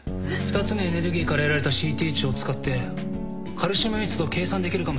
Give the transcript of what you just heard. ２つのエネルギーから得られたＣＴ値を使ってカルシウム密度を計算できるかもしれません。